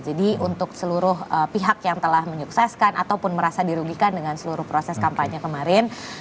jadi untuk seluruh pihak yang telah menyukseskan ataupun merasa dirugikan dengan seluruh proses kampanye kemarin